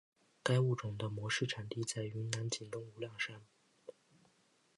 该物种的模式产地在云南景东无量山。